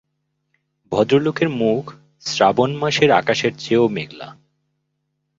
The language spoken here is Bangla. ভদ্রলোকের মুখ শ্রাবণ মাসের আকাশের চেয়েও মেঘলা।